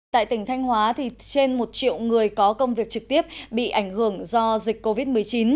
tại tỉnh thanh hóa trên một triệu người có công việc trực tiếp bị ảnh hưởng do dịch covid một mươi chín